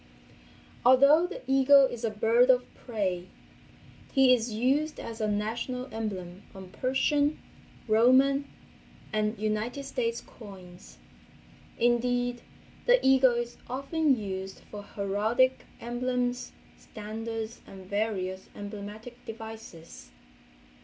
Although the eagle is a bird of prey he is used as a national emblem on Persian, Roman and United States coins. Indeed, the eagle is often used for heraldic emblems, standards and various emblematic devices.